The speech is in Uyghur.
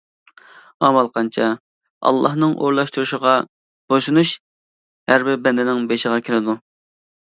ئامال قانچە؟ ئاللانىڭ ئورۇنلاشتۇرۇشىغا بويسۇنۇش ھەربىر بەندىنىڭ بېشىغا كېلىدۇ.